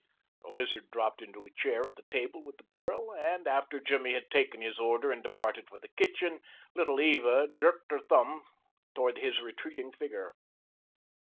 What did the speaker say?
The Lizard dropped into a chair at the table with the girl, and after Jimmy had taken his order and departed for the kitchen Little Eva jerked her thumb toward his retreating figure.